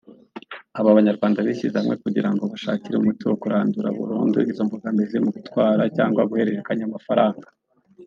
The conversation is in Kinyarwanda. Aba Banyarwanda bishyize hamwe kugira ngo bashakire umuti wo kurandura burundu izo mbogamizi mu gutwara cyangwa guhererekanya amafaranga